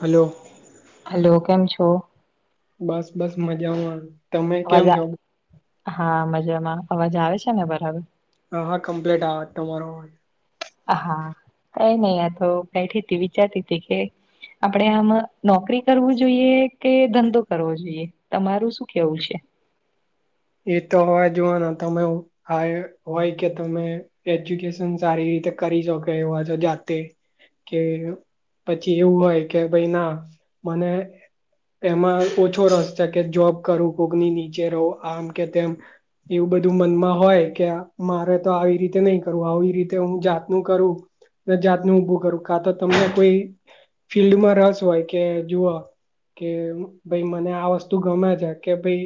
Hello, hello કેમ છો? બસ બસ મજા મા, અવાજ હા મજામાં અવાજ આવે છે ને બરાબર. હા હા કમ્પ્લીટ આવે તમારો, હા કઈ નહિ આ તો બેઠી તી વિચારતી હતી કે, આપડે આમ નોકરી કરવું જોઈએ કે ધંધો કરવો જોઈએ તમારું શુ શું કેવું છે? એ તો હવા જોવાના તમે હ હોય કે તમે, એજ્યુકેશન સારી રીતે કરી શકે એવા છે જાતે, કે પછી એવું હોય કે ભાઈ ના મને, એમાં ઓછો રસ છે કે જોબ કરું કોકની નીચે રહું આમ કે તેમ, એવું બધું મનમાં હોય કે મારે તો આવી રીતે નહી કરવું આવી રીતે હું જાતનું કરું, જાતનું ઉભું કરું કા તો તમને કોઈ ફિલ્ડમાં રસ હોય કે જુઓ. કે ભાઈ મને આ વસ્તુ ગમે છે કે ભાઈ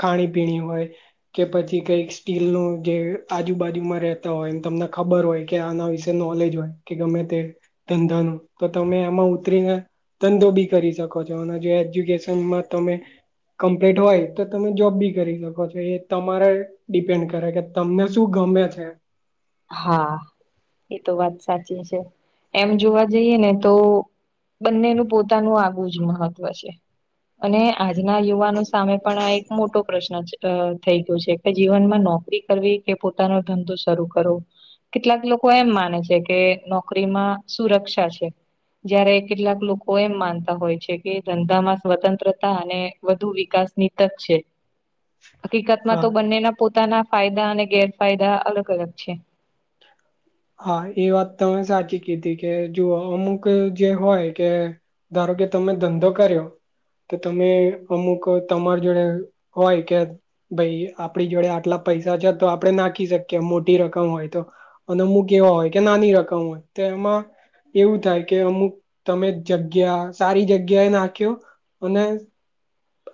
ખાણી પીણી હોય. કે પછી કઈક સ્ટીલ નુ જે આજુબાજુમાં રહેેતા હોય એમ તમને ખબર હોય. કે આના વિશે નોલેજ હોય કે ગમે તે ધંધા નુ તો તમે એમાં ઉતરીને, ધંધો બી કરી શકો છો અન જો એજ્યુકેશનમાં તમે, કમ્પ્લીટ હોય તો તમે જોબ બી, કરી શકો છો એ તમારે ડિપેન્ડ કરે કે તમને શું ગમે છે. હા એ તો વાત સાચી છે, એમ જોવા જઈએ ને તો, બંનેનું પોતાનું આગવું જ મહત્વ છે. અને આજના યુવાનો સામે પણ આ એક મોટો પ્રશ્ન છે. થઈ ગયું છે કે જીવનમાં નોકરી કરવી કે પોતાનો ધંધો શરૂ ક કરવો, કેટલાક લોકો એમ માને છે કે નોકરીમાં સુરક્ષા છે. જયારે કેટલાક લોકો એમ માનતા હોય છે કે ધંધામાં સ્વતંત્રતા અને, વધુ વિકાસની તક છે. હકીકતમાં તો હા બંનેના પોતાના ફાયદા અને ગેરફાયદા અલગ-અલગ છે. હા એ વાત તમે સાચી કીધી કે જુઓ અમુક જે હોય કે, ધારો કે તમે ધંધો કર્યો, તો તમે અમુક તમાર જોડે હોય કે, ભાઈ આપણી જોડે આટલા પૈસા છે તો આપડણે નાખી શકીએ મોટી રકમ હોય તો. અને અમુક એવા હોય કે નાની રકમ હોય તો એમાં, એવું થાય કે અમુક તમે જગ્યા સારી જગ્યા એ નાખ્યો અને,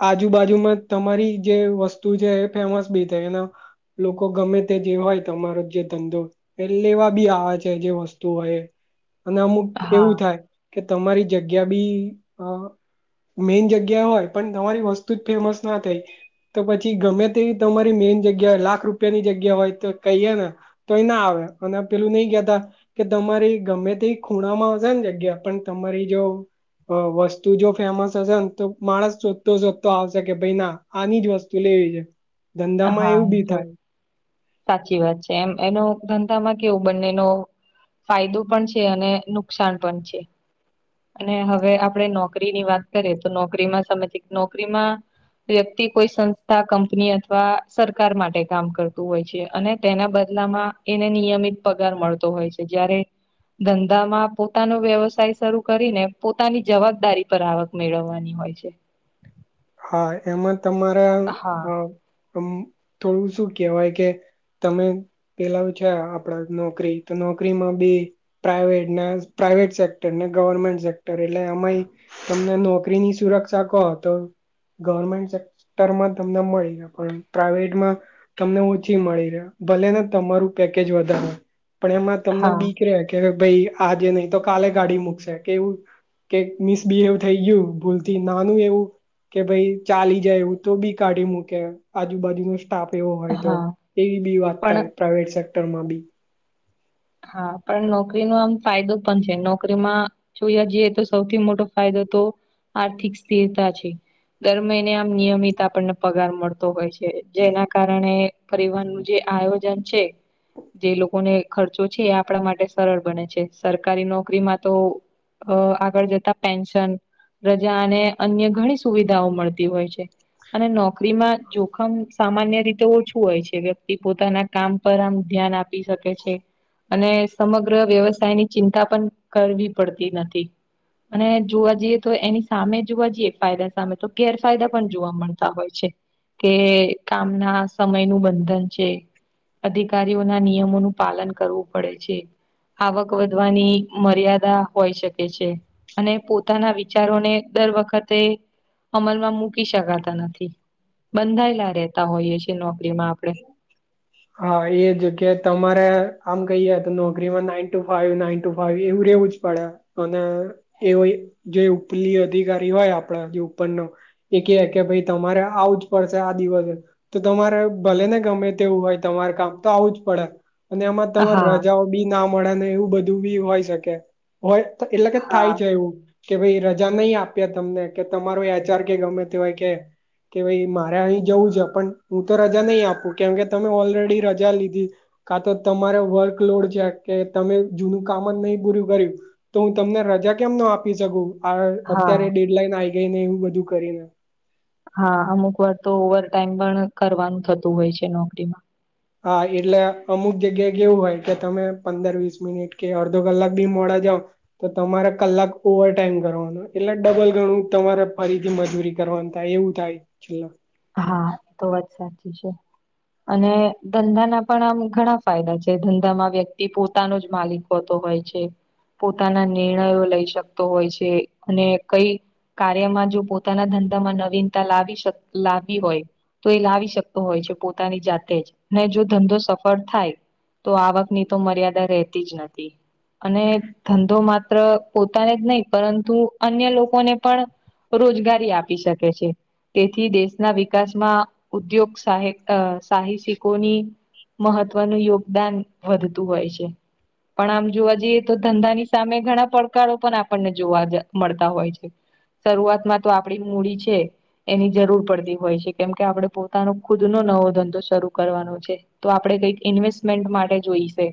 આજુબાજુમાં તમારી જે વસ્તુ છે એ ફેમસ બી થાય એન, લોકો ગમે તે જે હોય તમારો જે ધંધો. પેહ લેવા બી આવે છે, જે વસ્તુ હોય અને અમુક હા એવું થાય, કે તમારી જગ્યા બી, અ મેન જગ્યા હોય. પણ તમારી વસ્તુ જ ફેમસ ના થઈ. તો પછી ગમે તેવી તમારી મેઈન જગ્યા હોય લાખ રૂપિયાની જગ્યા હોય તો કહીએ ને, તોય ના આવે અને પેલું નહી ગયાતા. કે તમારી ગમે તે ખૂણામાં આવશે ને જગ્યા પણ તમારી જો, અ વસ્તુ જો ફેમસ હશે ને તો માણસ, શોધતો શોધતો આવશે કે ભાઈ ના આની જ વસ્તુ લેવી છે. ધંધામાં હા એવું એ બી તો થાય સાચી વાત છે, એમ એનો ધંધામાં કેવું બંનેનો, ફાયદો પણ છે, અને નુકસાન પણ છે. અને હવે આપડે નોકરીની વાત કરીએ, તો નોકરીમાં સમયથી, નોકરીમાં વ્યક્તિ કોઈ સંસ્થા, કંપની, હતી વા સરકાર માટે કામ કરતું હોય છે, અને તેના બદલામાં એને નિયમિત પગાર મળતો હોય છે. જયારે ધંધામાં પોતાનો વ્યવસાય શરૂ કરીને, પોતાની જવાબદારી પર આવક મેળવવાની હોય છે. હા, એમાં તમારે આમ હા આ આમ થોડું શું કેહેવાય કે તમે પેલાવ જા, આપડા નોકરી, તો નોકરીમાં બી પ્રાાઈવેટ ના પ્રાાઈવેટ સેક્ટર, ને ગવર્મેન્ટ સેક્ટર, એટલે અમાય તમને નોકરીની સુરક્ષા કો તો ગવર્મેન્ટ સેક્ટરમાં તમને મળી જાય, પણ પ્રાઈવેટમાં તમને ઓછી મળી રહે, ભલે ને તમારું પેકેજ વધારે, પણ એમાં તમને હા બીક રે ખેડુત ભાઈ આજે નહી તો કાલે ગાડી મુકશે, કેવું કેક મિસબિહેવ થઈ ગયું ભૂલથી, નાનું એવું કે ભાઈ ચાલી જાય એવું, તો બી કાઢી મૂકે, આજુબાજુ નુ તાપ એવો હોય તો, હા એવી બી વાત પણ થાય પ્રાઈવેટ સેક્ટર માં બી. હા, પણ નોકરી નો આમ ફાયદો પણ છે, નોકરીમાં જોયા જઈએ તો સૌથી મોટો ફાયદો તો આર્થિક સ્થિરતા છે. દર મહિને આમ નિયમિત આપણને પગાર મળતો હોય છે, જેના કારણે પરીવાર નું જે આયોજન છે, જે લોકોને ખર ચો છે, એ આપડા માટે સરળ બને છે, સરકારી નોકરીમાં તો અ આગળ જતા પેન્શન રજા અને અન્ય ઘણી સુવિધાઓ મળતી હોય છે. અને નોકરીમાં જોખમ સામાન્ય રીતે ઓછું હોય છે, વ્યક્તિ પોતાના કામ પર આમ ધ્યાન આપી શકે છે. અને સમગ્ર વ્યવસાયની ચિંતા પણ કરવી પડતી નથી. અને જોવા જઈએ તો એની સામે જોવા જઈએ ફાયદા સામે, તો ગેરફાયદા પણ જોવા મળતા હોય છે. કે કામના સમય નું બંધન છે. અધિકારીઓના નિયમોનું પાલન કરવું પડે છે. આવક વધવાની મર્યાદા હોઈ શકે છે. અને પોતાના વિચારોને દર વખતે અમલમાં મૂકી શકાતા નથી, બંધાયેલા રહેતા હોઈએ છેએ નોકરીમાં આપડે. [inaudible] હા એ જગ્યા એ તમારે, આમ કહીએ તો નોકરીમાં નાઈન ટુ ફાવ ના ટુ ફાઇ એવું રેવું જ પડે, અને એવ એ જે ઉપલી અધિકારી હોય આપણા, જે ઉપરનો એ કે કે ભાઈ તમારે આવુંજ પડશે આ દિવસે, તો તમારે ભલે ને ગમે તેવું હોય તમાર કામ, તો આવુંજ પડે, અને એમાં તમાર હા રજાઓ બી ના મળે ને એવું બધું બી હોય શકે, હોય ત એટલેકે હા થાય જ એવું. કે ભાઈ રજા નહીં આપ્યે તમને, કે તમારો એચ ચાર કે ગમે તેવાય કે કે ભાઈ મારે અહીં જવું છે, પણ હું તો રજા નહીં આપું, કેમ કે તમે ઓલરેડી રજા લીધી. કા તો તમારે વર્કલોડ જ્યાંકે તમે જૂનું કામ જ નહીં પૂરું કર્યું. તો હું તમને રજા કેમ ન આપી શકું, આ હા અત્યારે ડેડલાઈન આઇ ગઈ ને, એવું બધું કરીને. હા અમુક વાર તો ઓવર ટાઈમ પણ કરવાનું થતું હોય છે નોકરીમાં. હા એટલે અમુક જગ્યાએ એવું હોય કે તમે પંદર વીસ મિનિટ કે અડધો કલાક બી મોડા જાવ, તો તમારે કલાક ઓવર ટાઈમ કરવાનો એટલે ડબલ ગણું તમારે ફરીથી મજૂરી. કરવાનું થાય એવું થાય છેલ્લ હા એ તો વાત સાચી છે. અને ધંધા ના પણ આમ ઘણા ફાયદા છે, ધંધામાં વ્યક્તિ પોતાનો જ માલિક હોતો હોય છે, પોતાના નિર્ણયો લઈ શકતો હોય છે અને કઈ કાર્યમાં જો પોતાના ધંધામાં નવીનતા લાવી શક લાવી હોય, તો એ લાવી શકતો હોય છે, પોતાની જાતે જ ને જો ધંધો સફળ થાય, તો આવકની તો મર્યાદા રહેતી જ નથી. અને ધંધો માત્ર પોતાને જ નહીં પરંતુ અન્ય લોકોને પણ, રોજગારી આપી શકે છે. થી દેશના વિકાસમાં ઉદ્યોગ સાહ સાહસિકોની, મહત્વનું યોગદાન વધતું હોય છે. પણ આમ જોવા જઈએ તો ધંધાની સામે ઘણા પડકારો પણ આપણને જોવા મળતા હોય છે. શરૂઆત માં તો આપડી મૂડી છે. એની જરૂર પડતી હોય છે કેમ કે આપડે પોતાનો ખુદ નો નવો ધંધો શરૂ કરવાનો છે. તો આપડણે કઈક ઇન્વેસ્ટમેન્ટ માટે જોઈશે.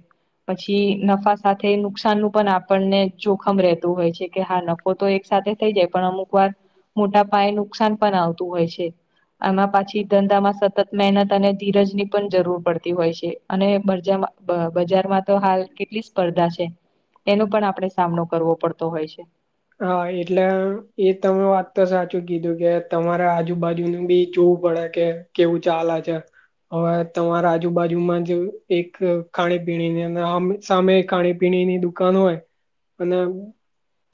પછી નફા સાથે નુકસાન નું પણ આપણને જોખમ રહેતું હોય છે કે હા નફ ફો તો એક સાથે થઈ જાય પણ અમુક વાર મોટા પાયે નુકસાન પણ આવતું હોય છે. આમાં પાછી ધંધામાં સતત મહેનત અને ધીરજની પણ જરૂર પડતી હોય છે. અને બજાર બજારમાં તો, હાલ કેટલી સ્પર્ધા છે, એનો પણ આપણે સામનો કરવો પડતો હોય છે. હા એટલે એ તમે વાત તો સાચું કીધું કે તમારે આજુબાજુનું બી જોવું પડે. કે કેવું ચાલે છે. હવે તમારા આજુબાજુમાં જ એક ખાણી પીણીની અને આમ, સામે ખાણી પીણીની દુકાન હોય અને,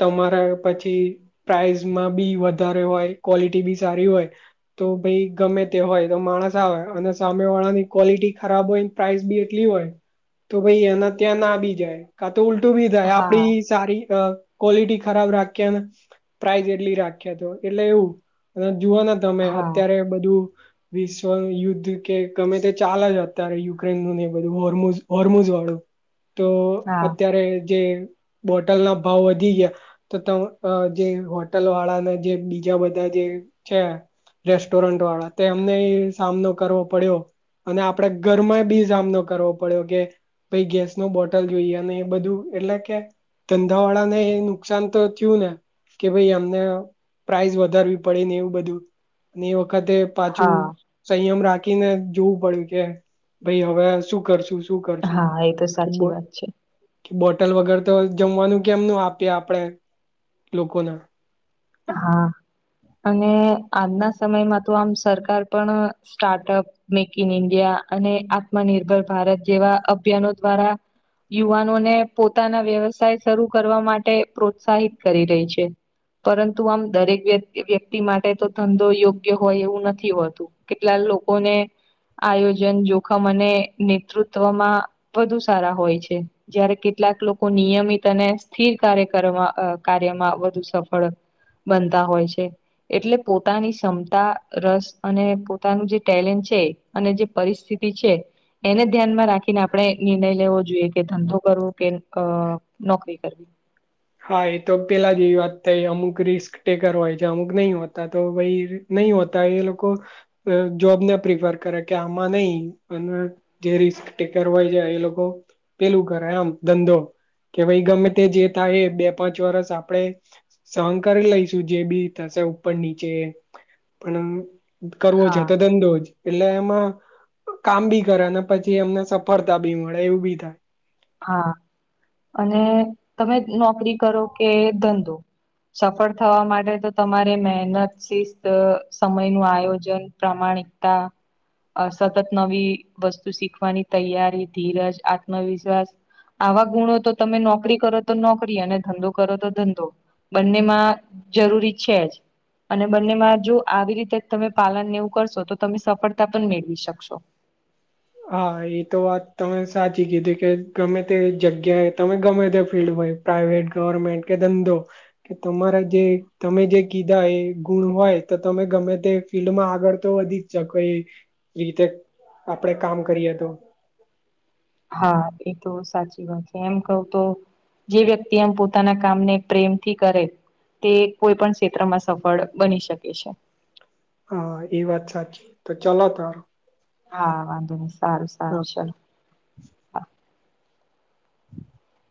તમારા પછી પ્રાઇસમાં બી વધારે હોય ક્વોલિટી બી સારી હોય. તો ભાઈ ગમે તે હોય તો માણસ આવે અને સામે વાળા ની ક્વોલિટી ખરાબ હોય. પ્રાઇસ બી એટલી હોય તો ભાઈ એના ત્યાં ના વી જાય. કા તો ઉલટું બી થાય હા આપડી સારી અ, ક્વોલિટી ખરાબ રાખ્યા અન પ્રાઇઝ એટલી રાખ્યા તો એટલે એવું અને જોવાના, તમે હા અત્યારે બધું. વિશ્વ યુદ્ધ કે ગમે તે ચાલ છે અત્યારે યુક્રેન નુ ને બધું હોર્મુ હોર્મોઝ વાળું. તો હા અત્યારે જે બોટલ ના ભાવ વધ ધી ગયા તો તમે જે હોટલ વાળાને જે બીજા બધા જે છે. રેસ્ટોરન્ટ વાળા તો એમને સામનો કરવો પડ્યો, અને આપડે ઘરમાં બી સાામનો કરવો પડ્યો કે, પઈ ગેસ નો બોટલ જોઈએ અને એ બધું એટલે કે ધંધાવાળા ને, નુકસાન તો થયું ને કે ભાઈ એમને પ્રાઈસ વધારવી પડે ને એવું બધું. ને એ વખતે, પાછું હા સંયમ રાખીને જોવું પડ્યું કે ભાઈ હવે શું કરશું? શું કર છું હા એ તો કે બ સાચી વાત છે કે બોટલ વગેર તો જમવાનું કેમનું આપએ આપણેે લોકોને, હા અને આજના સમયમાં તો આમ સરકાર પણ સ્ટાર્ટઅપ, મેક ઇન ઇન્ડિયા અને આત્મનિર્ભર ભારત જેવા અભિયાનો દ્વારા, યુવાનોને પોતાના વ્યવસાય શરૂ કરવા માટે પ્રોત્સાહિત કરી રહી છે. પરંતુ આમ દરેક વ્યક્તિ વ્યક્તિ માટે તો ધંધો યોગ્ય હોય એવું નથી હોતું. કેટલા લોકોને આયોજન, જોખમ અને નેતૃત્વમાં વધુ સારા હોય છે. જયારે કેટલાક લોકો નિયમિત અને સ્થિર કાર્ય કરવા કાર્યમાં વધુ સફ સફળ બનતા હોય છે. એટલે પોતાની ક્ષમતા, રસ અને પોતાનું જે ટેલેન્ટ છે. અને જે પરિસ્થિતિ છે. એને ધ્યાનમાં રાખીને આપણે નિર્ણય લેવો જોઈએ કે ધંધો કરવો કે અ નોકરી કરવી. હા એ તો પેલા જ એવી વાત થઈ અમુક રિસ્ક ટેકર હોય છે અમુક નહી હોતા તો ભાઈ નહી હોતા એ લોકો જોબ ને પ્રિફર કરે કે આમાં નય અને જે રિસ્ક ટેકર હોય છે એ લોકો પેલું કરે આમ ધંધો કે ભાઈ ગમે તે જે થાય એ કે બે પાંચ વરષ આપણેે સહન કરી લઈશું જે બી થશે ઉપર નીચે પણ કરવો છે હા તો ધંધો જ એટલે એમાં કામ બી કરે અને પછી એમને સફળતા બી મળે એવું બી થાય. હા અને તમે જ નોકરી કરો કે ધંધો સફળ થવા માટે તો તમારે મહેનત, શિસ્ત, સમય નું આયોજન પ્રમાણિકતા તા અ સતત નવી વસ્તુ શીખવાની તૈયારી ધીરજ, આત્મવિશ્વાસ આવા ગુણો તો તમે નોકરી કરો તો નોકરી અને ધંધો કરો તો ધંધો બંનેમાં જરૂરી છે જ અને બંનેમાં જો આવી રીતે તમે પાલનને એવું કરશો તો તમે સફળતા પણ મેળવી શકશો. હા એ તો વાત તમે સાચી કીધી કે ગમે તે જગ્યાએ તમે ગમે તે ફિલ્ડ હોય. પ્રાઇવેટ, ગવર્મેન્ટ કે ધંધો કે તમારા જે તમે જે કીધા એ ગુણ હોય તો તમે ગમે તે ફિલ્ડ માં આગળ તો વધી જ કોઈ ગીતે આપડે કામ કરીએ તો હા એ તો સાચી વાત છે એમ કવ તો જે વ્યક્તિ આમ પોતાના કામને પ્રેમથી કરે તે કોઈ પણ ક્ષેત્રમાં સફળ બની શકે છે. હા એ વાત સાચી તો ચલો તો હા વાંધો નહી સારું સારું ચાલ. [unintelligible] [inaudible]